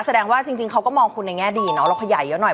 แสดงว่าจริงเขาก็มองคุณในแง่ดีเนาะเราขยายเยอะหน่อย